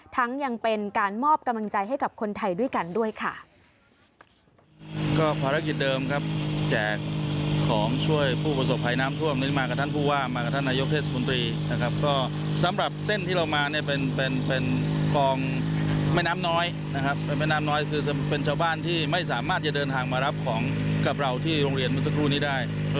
ยังเป็นการมอบกำลังใจให้กับคนไทยด้วยกันด้วยค่ะ